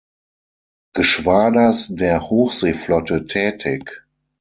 Geschwaders der Hochseeflotte, tätig.